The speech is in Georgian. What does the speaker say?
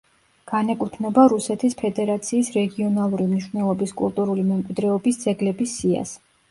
განეკუთვნება რუსეთის ფედერაციის რეგიონალური მნიშვნელობის კულტურული მემკვიდრეობის ძეგლების სიას.